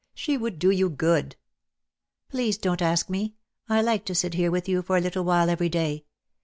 She would do you good." "Please don't ask me, I like to sit here with you for a little while every day.